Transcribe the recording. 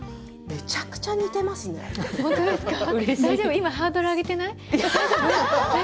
今ハードル上げていない？